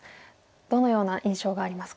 どのような印象がありますか？